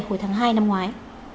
hồi tháng hai năm ngoái